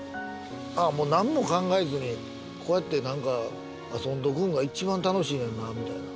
あぁもう何も考えずにこうやって遊んどくんが一番楽しいねんなみたいな。